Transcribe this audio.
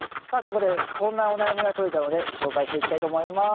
ここでこんなお悩みが届いたので紹介していきたいと思います。